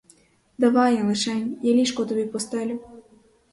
Давай, лишень, я ліжко тобі постелю.